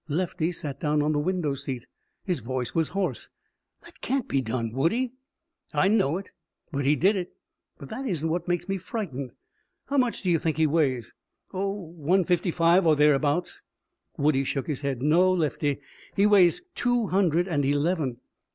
Lefty sat down on the window seat. His voice was hoarse. "That can't be done, Woodie." "I know it. But he did it. But that isn't what makes me frightened. How much do you think he weighs?" "One fifty five or thereabouts." Woodie shook his head. "No, Lefty, he weighs two hundred and eleven."